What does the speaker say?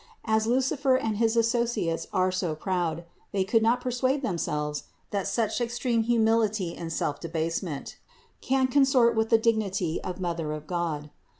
As Lucifer and his associates are so proud, they could not persuade themselves that such extreme humility and self debase ment can consort with the dignity of Mother of God.